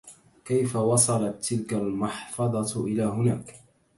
كيف وصلت تلك المحفظة إلى هناك؟